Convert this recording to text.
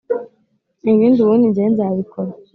ibindi ubundi njyewe nzabikora